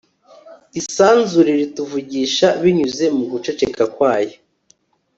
isanzure rituvugisha binyuze mu guceceka kwayo